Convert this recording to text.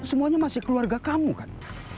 semuanya masih keluarga kamu kan